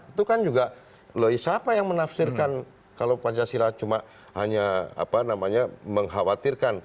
itu kan juga loisapa yang menafsirkan kalau pancasila cuma hanya apa namanya mengkhawatirkan